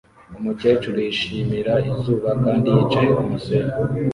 Umukecuru yishimira izuba kandi yicaye kumusenyi